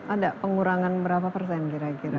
ada pengurangan berapa persen kira kira